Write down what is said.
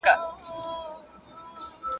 اوس د زلمیو هوسونو جنازه ووته.